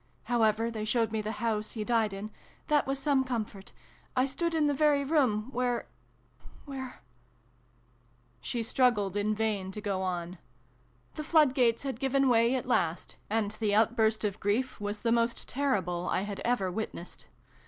However, they showed me the house he died in : that was some comfort. I stood in the very room where where ." She strug gled in vain to go on. The flood gates had given way at last, and the outburst of grief was the most terrible I had ever witnessed.